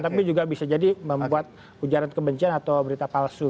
tapi juga bisa jadi membuat ujaran kebencian atau berita palsu